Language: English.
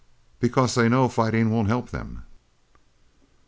"Because they know fighting won't help them!"